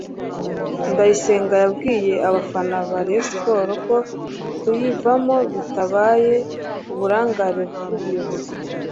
Ndayisenga yabwiye abafana ba Rayon Sports ko kuyivamo bitabaye uburangare bw’ubuyobozi